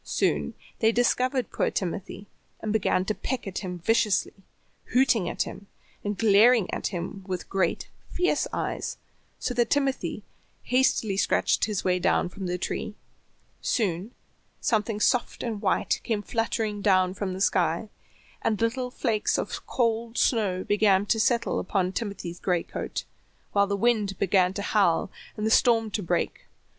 Soon they discovered poor Timothy, and began to peck at him viciously, hooting at him, and glaring at him with great, fierce eyes, so that Timothy hastily scratched his way down from the tree. Soon something soft and white came fluttering down from the sky, and little flakes of cold snow began to settle upon Timothy's gray coat, while the wind began to howl, and the storm to break.